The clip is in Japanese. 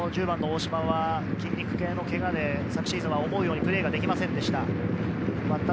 １０番の大島は筋肉系のけがで昨シーズンは思うようにプレーができませんでした。